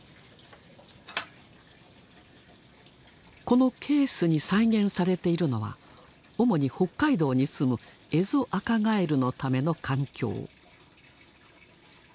このケースに再現されているのは主に北海道にすむエゾアカガエルのための環境。